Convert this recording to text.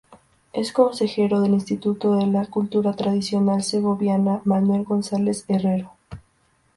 Es consejero del Instituto de la Cultura Tradicional Segoviana Manuel González Herrero.